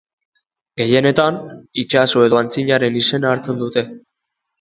Gehienetan, itsaso edo aintziraren izena hartzen dute.